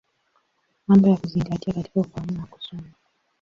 Mambo ya Kuzingatia katika Ufahamu wa Kusoma.